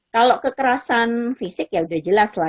kalau kekerasan fisik ya sudah jelas lah